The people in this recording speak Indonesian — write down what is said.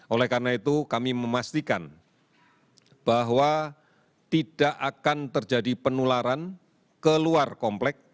oleh karena itu kami memastikan bahwa tidak akan terjadi penularan ke luar komplek